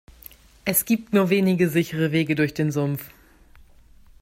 Es gibt nur wenige sichere Wege durch den Sumpf.